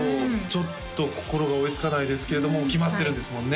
ちょっと心が追いつかないですけれども決まってるんですもんね